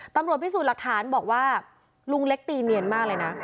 ตำรวจพิสูจน์หลักฐานบอกว่าลุงเล็กตีเนียนมากเลยนะ